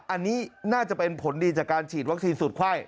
อันนี้น่าจะเป็นผลดีจากการฉีดวัคซีนสูตรไข้